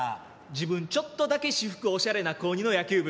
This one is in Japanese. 自分ちょっとだけ私服おしゃれな高２の野球部っす。